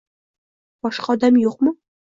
boshqa odam yo'qmi?